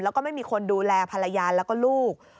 แล้วก็ไม่มีคนดูแลภรรยาแล้วก็ลูก